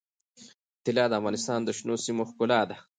طلا د افغانستان د شنو سیمو ښکلا ده.